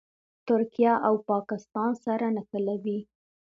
ترکیه او پاکستان سره نښلوي.